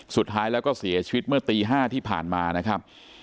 สุดท้ายแล้วก็เสียชีวิตเมื่อตี๕ที่ผ่านมานะครับ